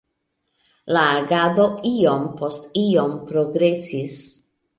La agado iom post iom progresis.